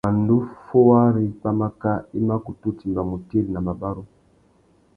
Pandú fôwari pwámáká, i mà kutu timba mutiri na mabarú.